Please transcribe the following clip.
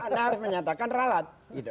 anda harus menyatakan ralat